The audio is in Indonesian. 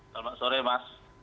selamat sore mas